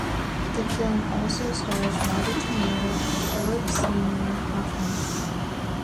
The film also stars Robert De Niro and Philip Seymour Hoffman.